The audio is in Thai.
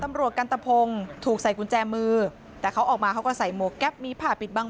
บุรถกันตภงถูกใส่กุญแจมือแต่เขามาเขาก็ใส่โหมกแก๊ปมีผ่าปิดบัง